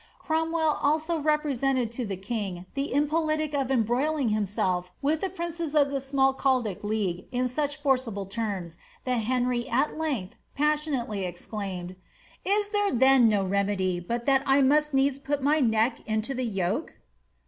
Cromwell also represented to the king the impolicy of embroiling himself with the princes of the Smalcaldic League in such forcible terms, that Henry at lengtli passionately ex claimed, '^ Is there then no remedy, but that I must needs put my neck into the yoke?"